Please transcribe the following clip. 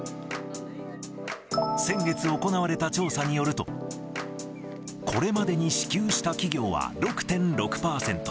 先月行われた調査によると、これまでに支給した企業は６．６％。